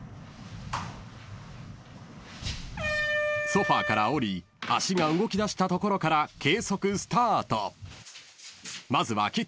［ソファから下り足が動きだしたところから計測スタート］